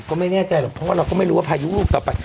ก็ไม่แน่ใจหรอกเพราะว่าเราก็ไม่รู้ว่าพายุลูกต่อไป